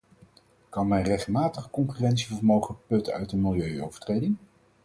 Kan men rechtmatig concurrentievermogen putten uit een milieuovertreding?